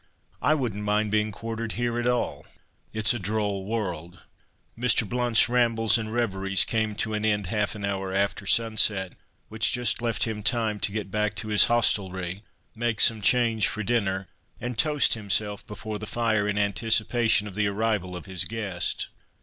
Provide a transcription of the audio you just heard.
I wouldn't mind being quartered here at all. It's a droll world!" Mr. Blount's rambles and reveries came to an end half an hour after sunset, which just left him time to get back to his hostelry, make some change for dinner, and toast himself before the fire, in anticipation of the arrival of his guest.